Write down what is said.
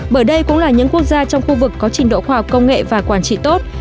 bởi đây cũng là những quốc gia trong khu vực có trình độ khoa học công nghệ và quản trị tốt